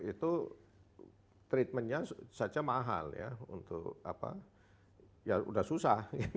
itu treatmentnya saja mahal ya untuk apa ya sudah susah